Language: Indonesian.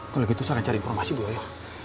kalau gitu saya akan cari informasi bu ya